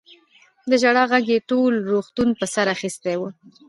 د ژړا غږ يې ټول روغتون په سر اخيستی و.